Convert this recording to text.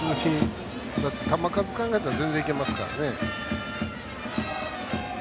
球数考えたら全然いけますからね。